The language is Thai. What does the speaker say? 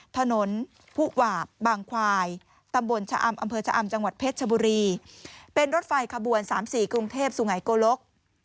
ถนนผู้หว่าบางควายตำบลชะอำอำเภอชะอำจังหวัดเพชรชบุรีเป็นรถไฟขบวน๓๔กรุงเทพสุไงโกลก